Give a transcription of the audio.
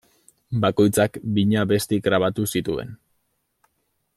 Bakoitzak bina abesti grabatu zituen.